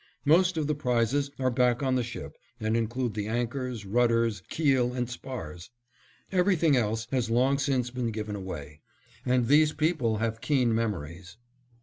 Most of the prizes are back on the ship and include the anchors, rudders, keel, and spars. Everything else has long since been given away, and these people have keen memories.